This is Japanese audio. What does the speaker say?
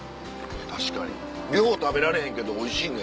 確かに量食べられへんけどおいしいね